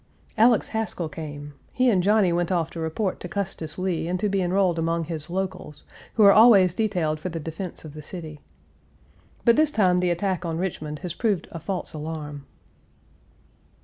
Alex Haskell came; he and Johnny went off to report to Custis Lee and to be enrolled among his "locals," who are always detailed for the defense of the city. But this time the attack on Richmond has proved a false alarm.